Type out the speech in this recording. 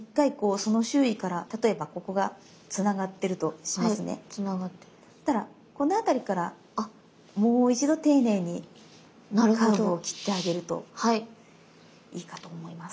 そしたらこの辺りからもう一度丁寧にカーブを切ってあげるといいかと思います。